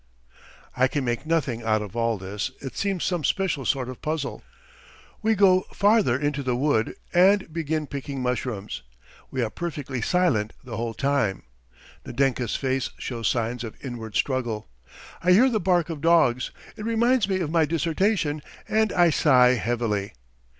... I can make nothing out of all this. It seems some special sort of puzzle. We go farther into the wood and begin picking mushrooms. We are perfectly silent the whole time. Nadenka's face shows signs of inward struggle. I hear the bark of dogs; it reminds me of my dissertation, and I sigh heavily.